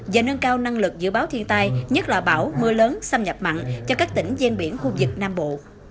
và nâng cao năng lực dự báo thiên tai nhất là bão mưa lớn xâm nhập mặn cho các tỉnh gian biển khu vực nam bộ